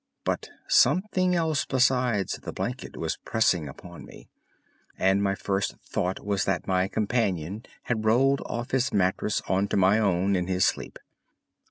But something else besides the blanket was pressing upon me, and my first thought was that my companion had rolled off his mattress on to my own in his sleep.